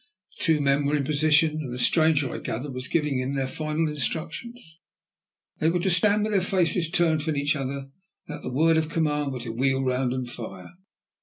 The two men were in position, and the stranger, I gathered, was giving them their final instructions. They were to stand with their faces turned from each other, and at the word of command were to wheel round and fire.